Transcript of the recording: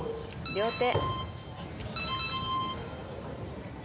両手。